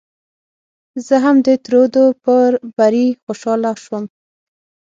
زه هم د ترودو په بري خوشاله شوم.